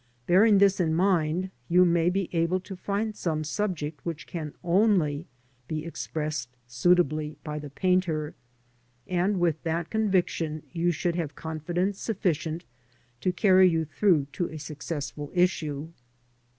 Bearing this in mind, you may be able to find some subject which can only be expressed suitably by the painter, and with that conviction you should have confidence sufficient to carry you through to a suc cessful issue.